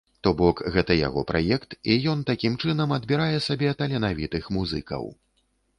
То бок, гэта яго праект і ён такім чынам адбірае сабе таленавітых музыкаў.